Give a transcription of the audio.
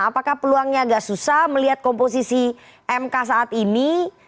apakah peluangnya agak susah melihat komposisi mk saat ini